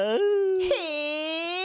へえ！